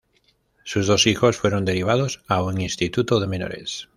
Sus dos hijos fueron derivados a un instituto de menores.